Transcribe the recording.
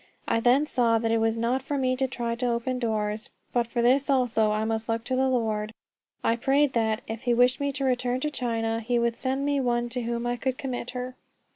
I then saw that it was not for me to try to open doors, but for this also I must look to the Lord. I prayed that, if he wished me to return to China, he would send me one to whom I could commit her.